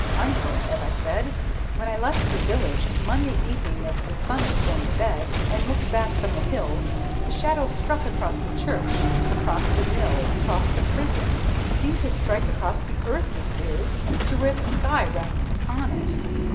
Under it, have I said? When I left the village, Monday evening as the sun was going to bed, and looked back from the hill, the shadow struck across the church, across the mill, across the prison seemed to strike across the earth, messieurs, to where the sky rests upon it!"